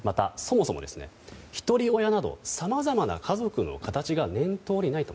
また、そもそもさまざまな家族の形が念頭にないと。